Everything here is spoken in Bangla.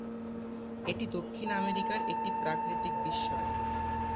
এটি দক্ষিণ আমেরিকার একটি প্রাকৃতিক বিস্ময়।